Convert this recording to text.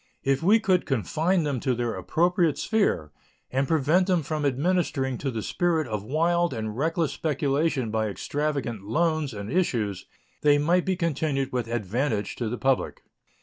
If we could confine them to their appropriate sphere and prevent them from administering to the spirit of wild and reckless speculation by extravagant loans and issues, they might be continued with advantage to the public.